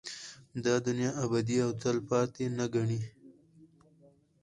دا دنيا ابدي او تلپاتې نه گڼي